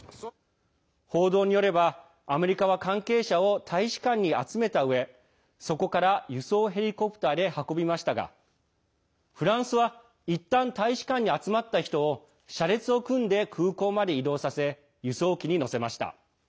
報道によれば、アメリカは関係者を大使館に集めたうえそこから輸送ヘリコプターで運びましたがフランスは、いったん大使館に集まった人を車列を組んで空港まで移動させ輸送機に乗せました。